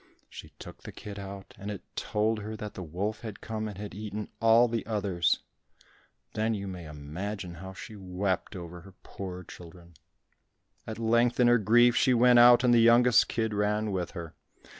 She took the kid out, and it told her that the wolf had come and had eaten all the others. Then you may imagine how she wept over her poor children. At length in her grief she went out, and the youngest kid ran with her.